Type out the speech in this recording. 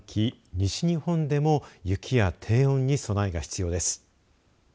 西日本でも雪や低温に備えが必要です。